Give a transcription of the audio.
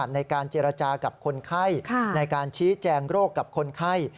ในการเจรจากับคนไข้ในการชี้แจงโรคกับคนไข้